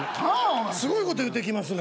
すごいこと言うてきますね。